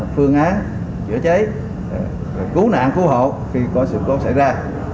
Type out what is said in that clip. phương án chữa cháy cứu nạn cứu hộ khi có sự cố xảy ra